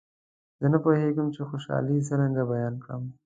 زه نه پوهېږم چې خوشالي څرنګه بیان کړم.